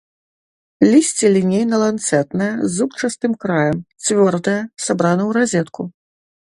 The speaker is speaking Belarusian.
Лісце лінейна-ланцэтнае з зубчастым краем, цвёрдае, сабрана ў разетку.